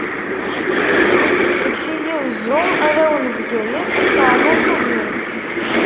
Deg Tizi Wezzu, arraw n Bgayet, ternuḍ Tubiret.